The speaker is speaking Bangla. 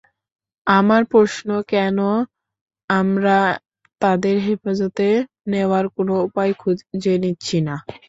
আমার প্রশ্ন কেন আমরা তাদের হেফাজতে নেওয়ার কোন উপায় খুঁজে নিচ্ছি না।